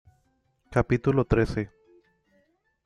capítulo trece.